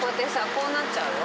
こうなっちゃうよ